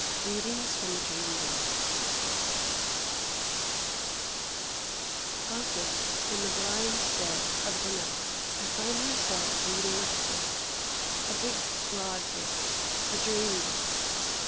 Readings from a Dream book [Decoration] OFTEN, in the blind dead of the night, I find myself reading a book, a big broad book, a dream book.